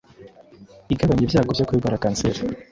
Igabanya ibyago byo kurwara kanseri